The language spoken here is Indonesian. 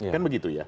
kan begitu ya